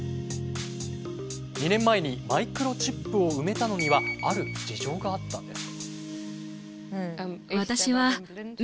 ２年前にマイクロチップを埋めたのにはある事情があったんです。